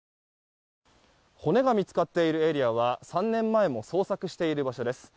骨が見つかっているエリアは３年前も捜索している場所です。